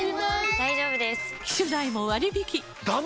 大丈夫です！